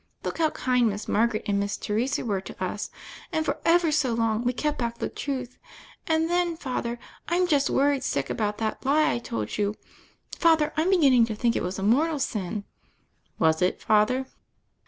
Look how kind Miss Margaret and Miss Teresa were to us; and, for ever so long we kept back the truth; and then, Father, I'm just worried sick about that lie I told you. Father, I'm beginning to think it was a mortal sin. Was it. Father?"